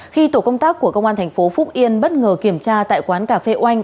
khi tổ công tác của công an tp phúc yên bất ngờ kiểm tra tại quán cà phê oanh